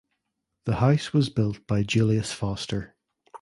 The house was built by Julius Foster.